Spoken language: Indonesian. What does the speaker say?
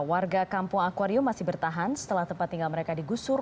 warga kampung akwarium masih bertahan setelah tempat tinggal mereka digusur